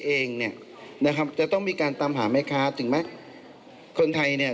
เองเนี่ยนะครับจะต้องมีการตามหาแม่ค้าถึงแม้คนไทยเนี่ย